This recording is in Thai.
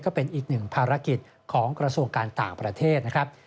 ก็เป็นอีกหนึ่งภารกิจของกระทรวงการต่างประเทศนะครับ